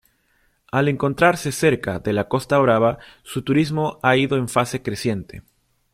Al encontrarse cerca de la Costa Brava su turismo ha ido en fase creciente.